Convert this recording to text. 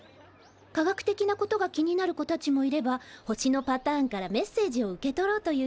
科学的なことが気になる子たちもいれば星のパターンからメッセージを受け取ろうという人もいる。